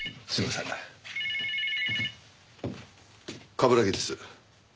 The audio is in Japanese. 冠城です。